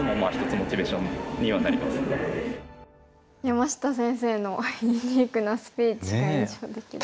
山下先生のユニークなスピーチが印象的でした。